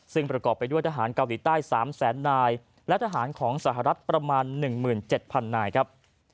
ซึ่งประกอบไปด้วยทหารเกาหลีใต้๓แสนนายและทหารของสหรัฐประมาณ๑๗๐๐นายครับ